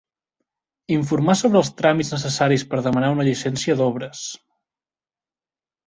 Informar sobre els tràmits necessaris per demanar una llicència d'obres.